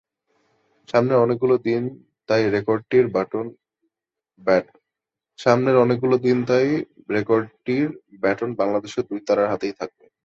সামনের অনেকগুলো দিন তাই রেকর্ডটির ব্যাটন বাংলাদেশের দুই তারার হাতেই থাকবে।